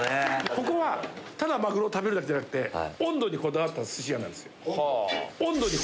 ここはただマグロを食べるだけじゃなくて温度にこだわったすし屋なんですよ。